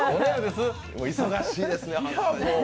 忙しいですね。